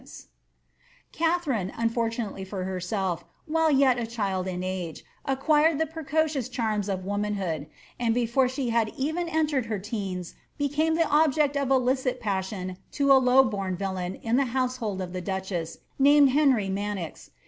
283 Katharine, anfortunately for herself, while yet a child in age, acquired the precocious charms of womanhood, and before she had even entered her teens became the object of illicit passion to a low bom villain in the household of the duchess, named Henry Manox.